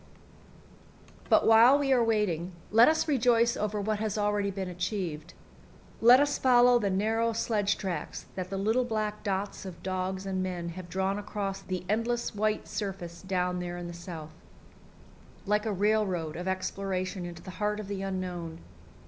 But while we are waiting, let us rejoice over what has already been achieved. Let us follow the narrow sledge tracks that the little black dots of dogs and men have drawn across the endless white surface down there in the South like a railroad of exploration into the heart of the unknown.